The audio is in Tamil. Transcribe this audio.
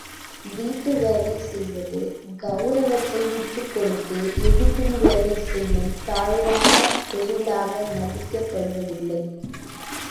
வீட்டு வேலை செய்வது கவுரவத்தை விட்டுக்கொடுத்து எடுபிடி வேலை செய்யும் தாழ்வான தொழிலாக மதிக்கப் படுவதில்லை.